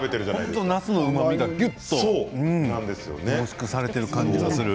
本当になすのうまみがぎゅっと凝縮されている感じがする。